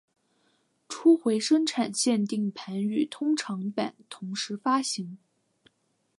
初回生产限定盘与通常版同时发行。